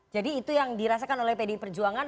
jadi itu yang dirasakan oleh pdi perjuangan